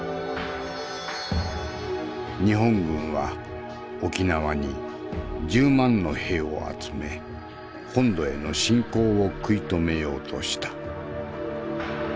日本軍は沖縄に１０万の兵を集め本土への侵攻を食い止めようとした。